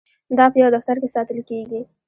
دا په یو دفتر کې ساتل کیږي.